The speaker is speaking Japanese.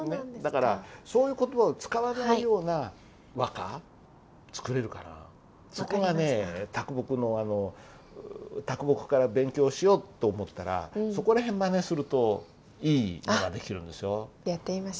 だからそういう言葉を使わないような和歌そこがね木の木から勉強しようと思ったらそこら辺まねするといいのができるんですよ。